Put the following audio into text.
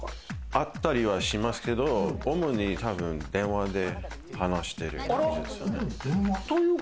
会ったりはしますけど、主に電話で話してる感じですよね？